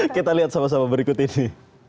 oke kita lihat sama sama berikut ini